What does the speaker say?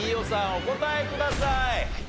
お答えください。